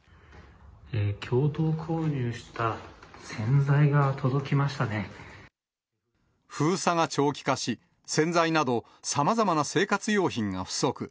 共同購入した洗剤が届きまし封鎖が長期化し、洗剤などさまざまな生活用品が不足。